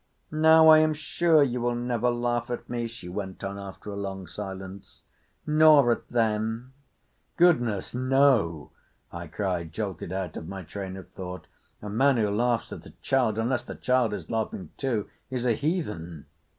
"Now I am sure you will never laugh at me," she went on after a long silence. "Nor at them." "Goodness! No!" I cried, jolted out of my train of thought. "A man who laughs at a child—unless the child is laughing too—is a heathen!"